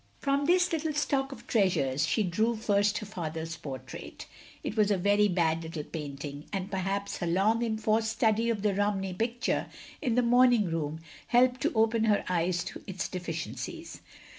From this little stock of treasures, she drew first her father's portrait. It was a very bad little painting, and perhaps her long enforced study of the Romney picture in the morning room helped to open her eyes to its deficiencies.